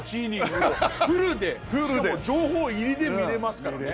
しかも情報入りで見れますからね。